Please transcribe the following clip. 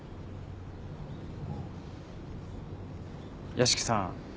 屋敷さん。